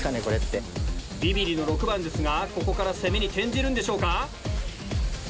ビビりの６番ですがここから攻めに転じるんでしょうか？